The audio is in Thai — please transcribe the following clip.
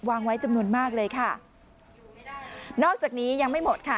วางไว้จำนวนมากเลยค่ะนอกจากนี้ยังไม่หมดค่ะ